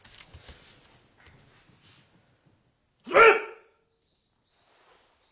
始め！